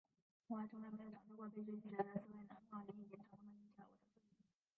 我还从来没有尝试过被拒绝的滋味呢，很好，你已经成功地引起我的注意了